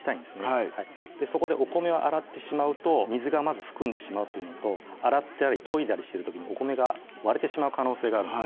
はいそこでお米を洗ってしまうと水が含んでしまうというのと洗ったりといだりしてる時にお米が割れてしまう可能性があるんですね